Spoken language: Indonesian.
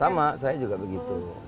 sama saya juga begitu